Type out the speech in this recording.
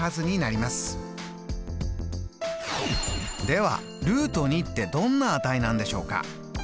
ではってどんな値なんでしょうか。